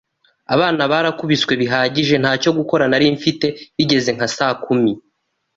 Abana barakubiswe bihagije ntacyo gukora nari mfite bigeze nka saa kumi